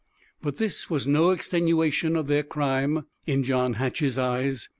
But this was no extenuation of their crime, in John Hatch's eyes.